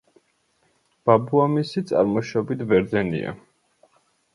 ბაბუამისი წარმოშობით ბერძენია.